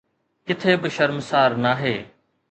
ڪٿي به شرمسار ناهي.